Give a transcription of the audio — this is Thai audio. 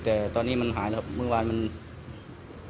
แต่ตอนนี้มันหายแล้วเมื่อวานมันเอ่อบวช